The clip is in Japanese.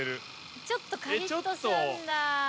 ちょっとカリッとすんだ。